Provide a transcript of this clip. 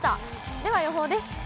では予報です。